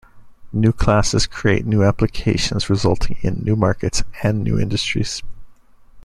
New classes create new applications resulting in new markets and new industries.